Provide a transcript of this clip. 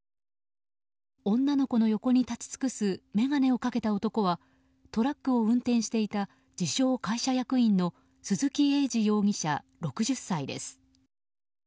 女の子の横に立ち尽くす眼鏡をかけた男はトラックを運転していた自称会社役員の鈴木栄司容疑者、６０歳です。